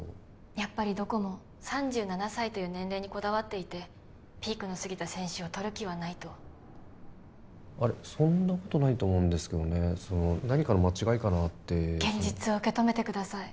やっぱりどこも３７歳という年齢にこだわっていてピークの過ぎた選手をとる気はないとあれそんなことないと思うんですけどね何かの間違いかなって現実を受け止めてください